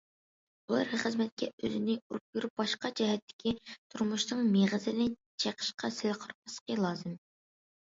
ئۇلار خىزمەتكە ئۆزىنى ئۇرۇپ يۈرۈپ، باشقا جەھەتتىكى تۇرمۇشنىڭ مېغىزىنى چېقىشقا سەل قارىماسلىقى لازىم.